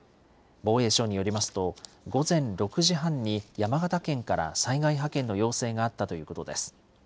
防衛省によりますと、午前６時半に山形県から災害派遣の要請があったということです。